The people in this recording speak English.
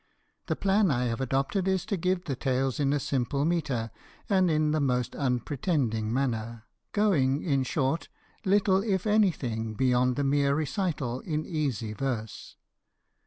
The plan I have adopted is to give the tales in a simple metre and in the most unpretending manner, going, in short, little if anything beyond mere recital in easy verse.